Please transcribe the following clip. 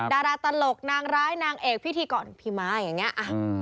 ดาราตลกนางร้ายนางเอกพิธีกรพี่ม้าอย่างนี้